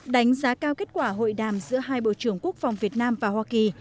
đánh giá cao kết quả hội đàm giữa hai bộ trưởng quốc phòng việt nam và hoa kỳ